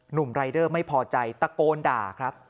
หนุ่มรายเดอร์ไม่พอใจตะโกนด่าครับ